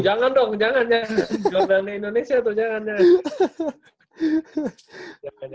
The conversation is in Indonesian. oh jangan dong jangan jordan indonesia tuh jangan jangan